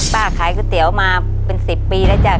ขายก๋วยเตี๋ยวมาเป็น๑๐ปีแล้วจ้ะ